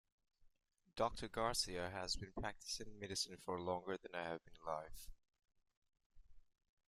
Doctor Garcia has been practicing medicine for longer than I have been alive.